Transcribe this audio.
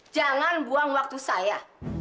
jangan buang waktu saya